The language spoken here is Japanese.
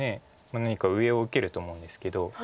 何か上を受けると思うんですけど。